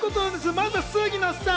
まずは杉野さん。